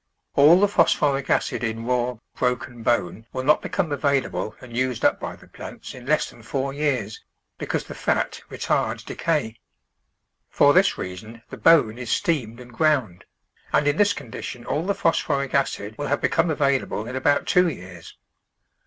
All the phosphoric acid in raw, broken bone will not become available and used up by the plants in less than four years, because the fat retards decay. For this reason the bone is steamed and ground, and in this condition all the phos phoric acid will have become available in about two years.